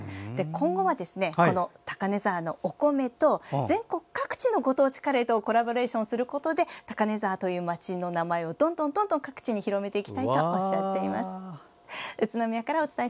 今後は、高根沢のお米と全国各地のご当地カレーとコラボレーションすることで高根沢という町の名前をどんどん各地に広めていきたいとおっしゃっています。